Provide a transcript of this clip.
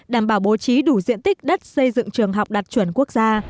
đảm bảo bố trí đủ diện tích đất xây dựng trường học đạt chuẩn quốc gia